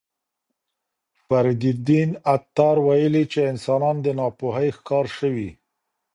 فریدالدین عطار ویلي چې انسانان د ناپوهۍ ښکار شوي.